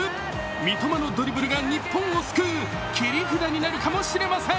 三笘のドリブルが日本を救う切り札になるかもしれません。